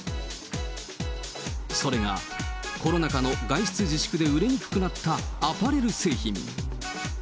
それがコロナ禍の外出自粛で売れにくくなったアパレル製品。